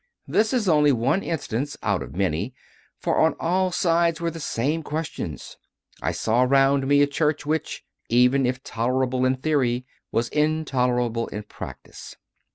This is only one instance out of many, for on all sides were the same questions. I saw round me a Church which, even if tolerable in theory, was intolerable in practice.